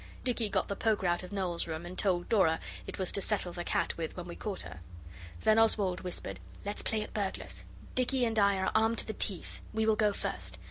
Dicky got the poker out of Noel's room, and told Dora it was to settle the cat with when we caught her. Then Oswald whispered, 'Let's play at burglars; Dicky and I are armed to the teeth, we will go first.